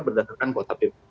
berdasarkan kursi bpp